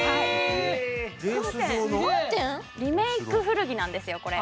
リメーク古着なんですよこれ。